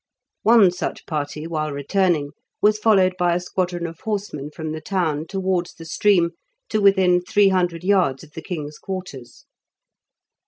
One such party, while returning, was followed by a squadron of horsemen from the town towards the stream to within three hundred yards of the king's quarters.